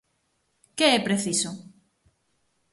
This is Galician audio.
¿Que é preciso?